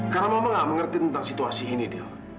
karena mama gak mengerti tentang situasi ini dil